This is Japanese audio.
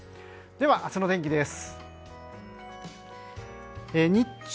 では明日の天気です。